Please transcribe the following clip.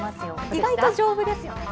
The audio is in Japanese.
意外と丈夫ですよね。